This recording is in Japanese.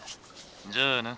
じゃあな」。